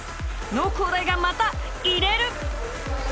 農工大がまた入れる！